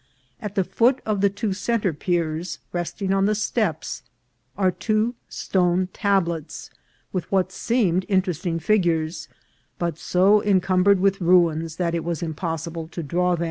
At the foot of the two centre piers, resting on the steps, are two stone tablets with what seemed interest ing figures, but so encumbered with ruins that it was impossible to draw them.